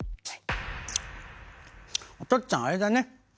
おとっつぁんあれだね。